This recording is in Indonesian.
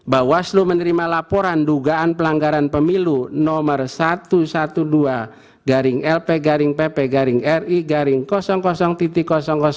bawaslu menerima laporan dugaan pelanggaran pemilu nomor satu ratus dua belas lp garing pp garing ri garing